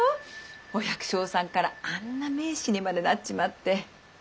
お百姓さんからあんな名士にまでなっちまって。